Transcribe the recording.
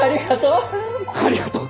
ありがとう！